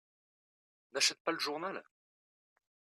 N'achète pas le journal !